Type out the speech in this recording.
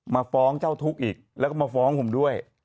มาฟ้องเจ้าทุกข์อีกแล้วก็มาฟ้องผมด้วย